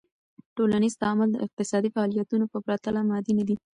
ټولنیز تعامل د اقتصادی فعالیتونو په پرتله مادي ندي.